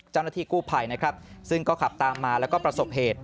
เจ้าหน้าที่กู้ภัยนะครับซึ่งก็ขับตามมาแล้วก็ประสบเหตุ